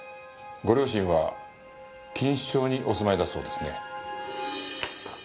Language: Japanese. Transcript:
ご両親は錦糸町にお住まいだそうですね。